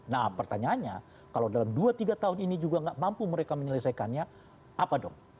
nah pertanyaannya kalau dalam dua tiga tahun ini juga nggak mampu mereka menyelesaikannya apa dong